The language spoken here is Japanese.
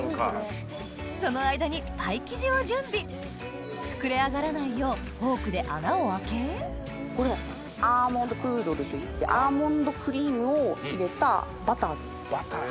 その間にパイ生地を準備膨れ上がらないようこれアーモンドプードルといってアーモンドクリームを入れたバターです。